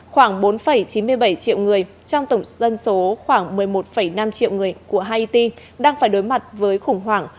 khoảng bốn chín mươi bảy triệu người trong tổng dân số khoảng một mươi một năm triệu người của haiti đang phải đối mặt với khủng hoảng